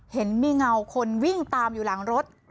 เห็นมีเงาคนวิ่งตามอยู่หลังรถ